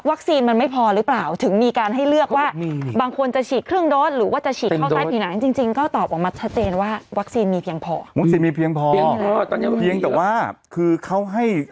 วัคซีนมันไม่พอหรือเปล่าถึงมีการให้เลือกว่า